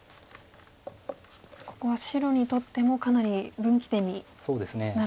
ここは白にとってもかなり分岐点になるということで。